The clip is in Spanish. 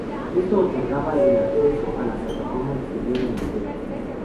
Esto otorgaba el acceso a la plataforma exterior en el techo.